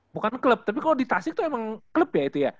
bukan klub tapi kalau di tasik itu emang klub ya itu ya